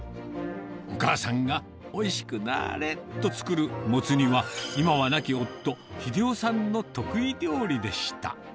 お母さんがおいしくなーれと作るモツ煮は、今は亡き夫、秀男さんの得意料理でした。